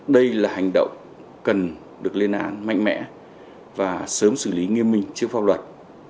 đây là hành động cần được lên án mạnh mẽ và sớm xử lý nghiêm minh trước pháp luật